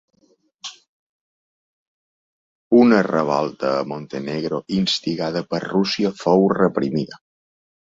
Una revolta a Montenegro instigada per Rússia fou reprimida.